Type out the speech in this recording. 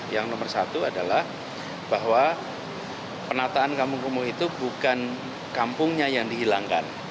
yang nomor satu adalah bahwa penataan kampung kumuh itu bukan kampungnya yang dihilangkan